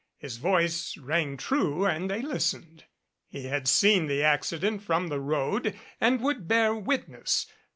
His voice rang true and they listened. He had seen the accident from the road and would bear witness.